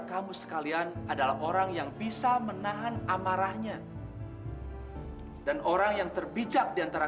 kamu sekalian adalah orang yang bisa menahan amarahnya dan orang yang terbijak diantara